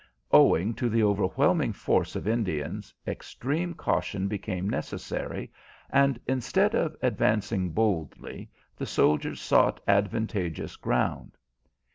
Owing to the overwhelming force of Indians, extreme caution became necessary, and instead of advancing boldly, the soldiers sought advantageous ground.